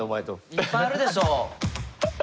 いっぱいあるでしょう。